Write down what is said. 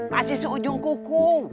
pasti seudung kuku